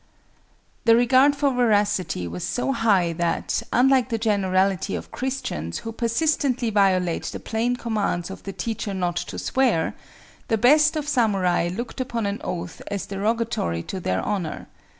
The regard for veracity was so high that, unlike the generality of Christians who persistently violate the plain commands of the Teacher not to swear, the best of samurai looked upon an oath as derogatory to their honor.